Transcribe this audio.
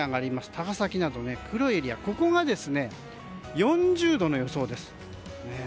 高崎などが黒いエリアですがここが４０度の予想です。